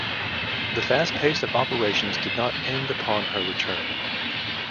The fast pace of operations did not end upon her return.